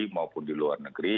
maupun di luar negeri